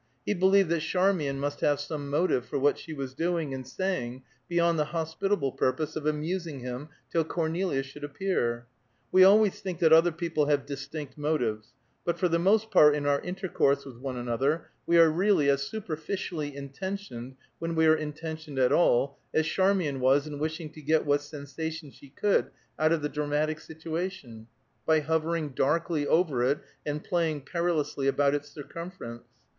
He believed that Charmian must have some motive for what she was doing and saying beyond the hospitable purpose of amusing him till Cornelia should appear. We always think that other people have distinct motives, but for the most part in our intercourse with one another we are really as superficially intentioned, when we are intentioned at all, as Charmian was in wishing to get what sensation she could out of the dramatic situation by hovering darkly over it, and playing perilously about its circumference.